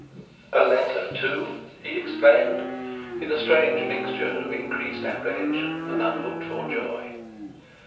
"A letter, too?" he exclaimed, in a strange mixture of increased apprehension and unlooked for joy.